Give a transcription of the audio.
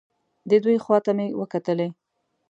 د دوی خوا ته مې وکتلې.